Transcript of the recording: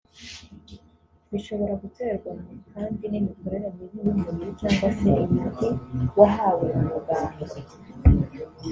bishobora guterwa kandi n’imikorere mibi y’umubiri cyangwa se imiti wahawe na muganga